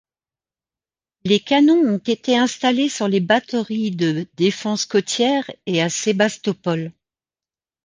Les canons ont été installés sur les batteries de défense côtière et à Sébastopol.